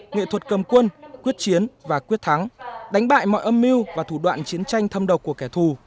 nghệ thuật cầm quân quyết chiến và quyết thắng đánh bại mọi âm mưu và thủ đoạn chiến tranh thâm độc của kẻ thù